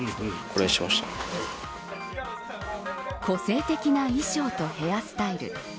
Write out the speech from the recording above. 個性的な衣装とヘアスタイル